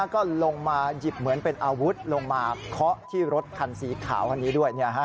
ก็ลงมาหยิบเหมือนเป็นอาวุธลงมาเคาะที่รถคันสีขาวคันนี้ด้วย